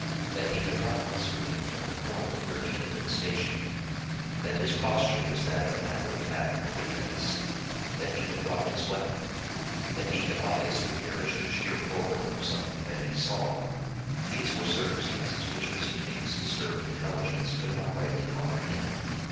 That he had not once moved from the corner where he had been stationed; that his posture was that of neither attack nor defense; that he had dropped his weapon; that he had obviously perished of sheer horror of something that he saw—these were circumstances which Mr. King's disturbed intelligence could not rightly comprehend.